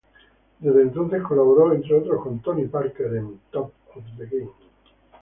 Desde entonces colaboró, entre otros con Tony Parker en "Top of the Game".